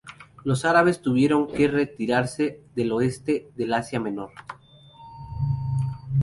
Los árabes tuvieron que retirarse del oeste del Asia Menor.